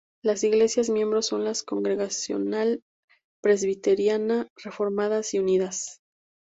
Las Iglesias miembros son la Congregacional, Presbiteriana, Reformadas y Unidas.